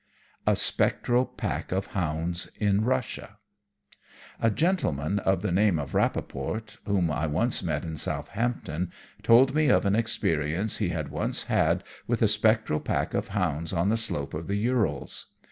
A Spectral Pack of Hounds in Russia A gentleman of the name of Rappaport whom I once met in Southampton told me of an experience he had once had with a spectral pack of hounds on the slope of the Urals.